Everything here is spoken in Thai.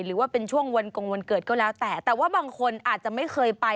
หรือว่าเป็นช่วงวันกงวันเกิดก็แล้วแต่แต่ว่าบางคนอาจจะไม่เคยไป